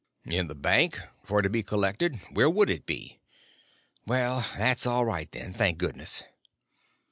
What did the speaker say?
"In the bank for to be collected. Where would it be?" "Well, that's all right then, thank goodness."